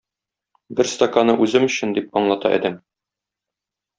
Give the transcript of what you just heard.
Бер стаканы үзем өчен, - дип аңлата адәм.